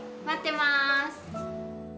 待ってまーす。